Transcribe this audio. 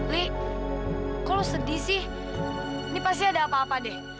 li ku sedih sih ini pasti ada apa apa deh